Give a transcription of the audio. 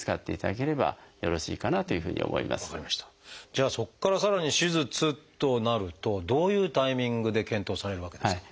じゃあそこからさらに手術となるとどういうタイミングで検討されるわけですか？